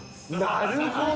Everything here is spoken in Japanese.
なるほど。